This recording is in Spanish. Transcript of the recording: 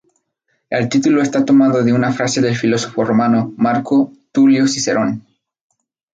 El título está tomado de una frase del filósofo romano Marco Tulio Cicerón.